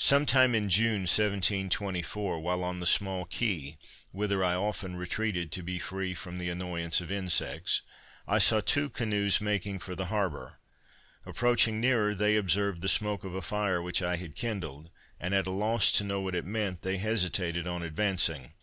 Some time in June 1724, while on the small quay, whither I often retreated to be free from the annoyance of insects, I saw two canoes making for the harbor. Approaching nearer, they observed the smoke of a fire which I had kindled, and at a loss to know what it meant, they hesitated on advancing.